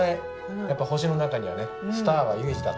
やっぱ星の中にはねスターはユージだと。